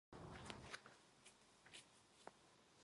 신철이는 세 사람의 출입옷으로 정해 있는 그의 양복을 입고 나왔다.